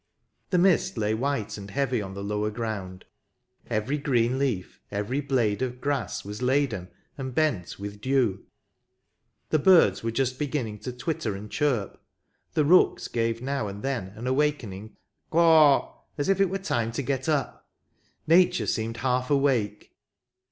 The mist lay white and heavy on the lower ground ; every green leaf, every blade of grass, was laden and bent with dew. The birds were just beginning to twitter and chirp ; the rooks gave now and then an awakening " Caw," as if it were time to get up ; nature seemed half awake.